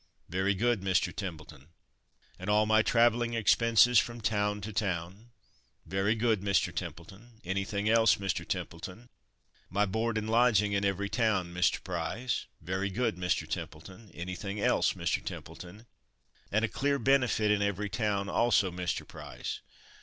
"Very good, Mr. Templeton." "And all my travelling expenses, from toun to toun." "Very good, Mr. Templeton. Anything else, Mr. Templeton?" "My board and lodging in every toun, Mr. Price." "Very good, Mr. Templeton. Any thing else, Mr. Templeton?" "And a clear benefit in every toun, also, Mr. Price."